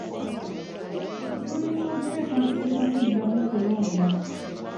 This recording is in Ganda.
Tuli mu kuteekateeka kuddamu kulonda.